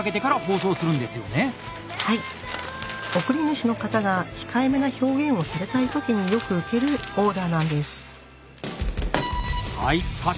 送り主の方が控えめな表現をされたいときによく受けるオーダーなんです。